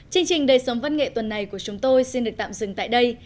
chương trình đời sống văn nghệ tuần này của chúng tôi xin được tạm dừng tại đây